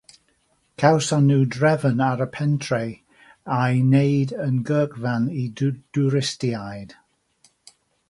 Cawson nhw drefn ar y pentref a'i wneud yn gyrchfan i dwristiaid.